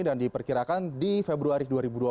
dan diperkirakan di februari dua ribu dua puluh